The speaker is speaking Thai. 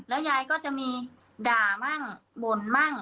ยายก็จะมีด่ามั่งบ่นมั่ง